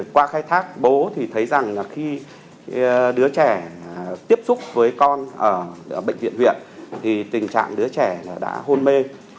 qua khai thác bố thì thấy rằng là khi đứa trẻ tiếp xúc với con ở bệnh viện huyện thì tình trạng đứa trẻ đã hôn mê